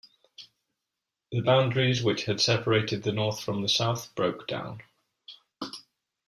The boundaries which had separated the North from the South broke down.